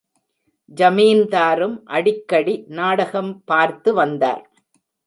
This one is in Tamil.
ஜமீன்தாரும் அடிக்கடி நாடகம் பார்த்து வந்தார்.